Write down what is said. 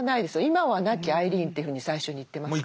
今は亡きアイリーンというふうに最初に言ってますから。